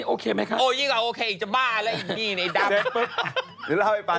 โอ้มายก๊อด